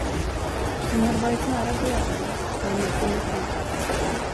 Hon hade varit nära döden, när man funnit henne.